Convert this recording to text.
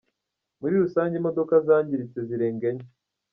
Muri rusange imodoka zangiritse zirenga enye.